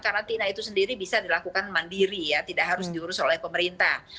karantina itu sendiri bisa dilakukan mandiri ya tidak harus diurus oleh pemerintah